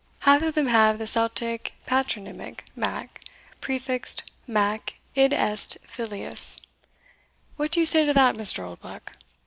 Half of them have the Celtic patronymic Mac prefixed Mac, id est filius; what do you say to that, Mr. Oldbuck?